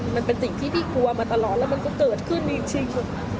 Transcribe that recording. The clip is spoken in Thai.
มันเป็นสิ่งที่พี่กลัวมาตลอดแล้วมันก็เกิดขึ้นจริง